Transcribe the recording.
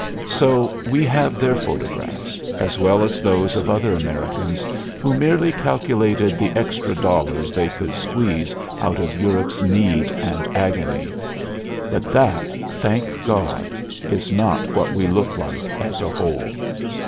So we have their photographs, as well as those of other Americans who merely calculated the extra dollars they could squeeze out of Europe's need and agony. But that thank God! is not what we look like as a whole.